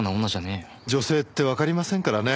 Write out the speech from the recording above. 女性ってわかりませんからね。